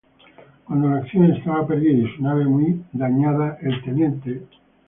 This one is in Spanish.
Cuando la acción estaba perdida y su nave muy dañada el Tte.